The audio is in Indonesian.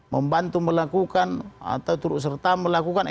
membantu melakukan atau turut serta melakukan